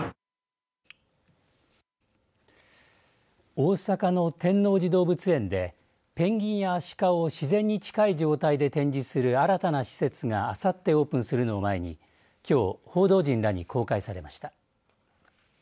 大阪の天王寺動物園でペンギンやアシカを自然に近い状態で展示する新たな施設があさってオープンするのを前にきょう報道陣らに公開されました。